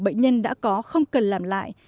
bệnh nhân đã có không cần làm lại